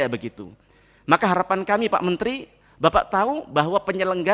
ber greecea supaya mbp terbuka sebelumnya